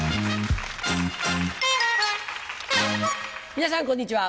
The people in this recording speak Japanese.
皆さんこんにちは。